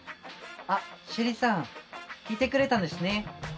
あシェリさん来てくれたんですね。